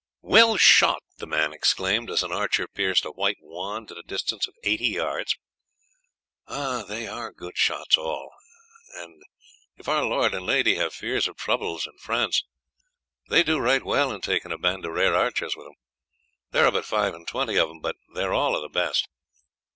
"Well shot!" the man exclaimed, as an archer pierced a white wand at a distance of eighty yards. "They are good shots all, and if our lord and lady have fears of troubles in France, they do right well in taking a band of rare archers with them. There are but five and twenty of them, but they are all of the best.